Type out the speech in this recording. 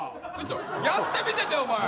やってみせてよ、お前！